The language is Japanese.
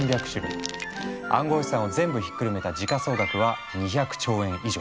暗号資産を全部ひっくるめた時価総額は２００兆円以上。